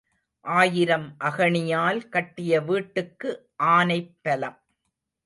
ஆயிரம் அகணியால் கட்டிய வீட்டுக்கு ஆனைப்பலம்.